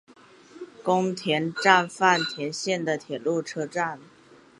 宫田站饭田线的铁路车站。